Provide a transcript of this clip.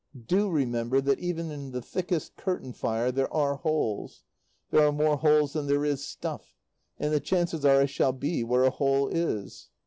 Do remember that even in the thickest curtain fire there are holes; there are more holes than there is stuff; and the chances are I shall be where a hole is.